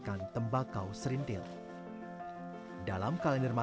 hanya tembakau ini menjadi sumber pengurusan